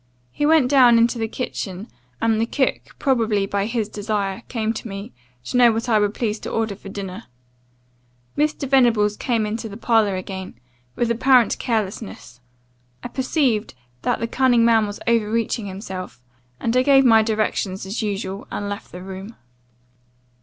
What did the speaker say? He went down into the kitchen, and the cook, probably by his desire, came to me, to know what I would please to order for dinner. Mr. Venables came into the parlour again, with apparent carelessness. I perceived that the cunning man was overreaching himself; and I gave my directions as usual, and left the room.